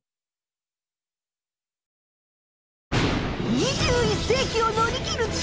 ２１世きを乗り切る力。